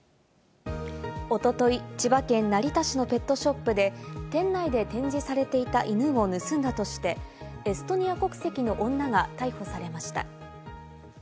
おととい、千葉県成田市のペットショップで、店内で展示されていた犬を盗んだとしてエストニア国籍の女が逮捕されました。